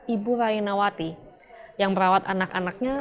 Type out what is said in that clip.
ibu rainawati yang merawat anak anaknya